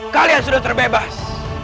kalian sudah terbebas